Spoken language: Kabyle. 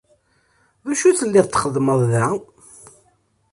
D acu i telliḍ txeddmeḍ da?